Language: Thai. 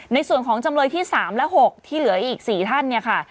ในส่วนของจำเลยที่๓และ๖ที่เหลืออีก๔ท่านเนี่ยค่ะ